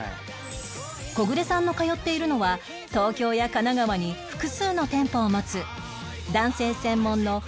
コグレさんの通っているのは東京や神奈川に複数の店舗を持つ男性専門の眉毛脱毛サロン